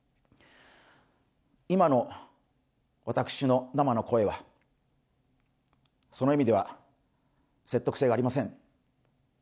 今の私の生の声は、その意味では説得性がありません。